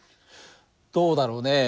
どうだろうね。